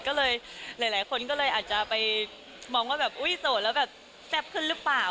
ก็เลยหลายคนก็เลยอาจจะไปมองว่าแบบอุ๊ยโสดแล้วแบบแซ่บขึ้นหรือเปล่า